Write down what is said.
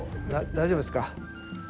大丈夫ですか？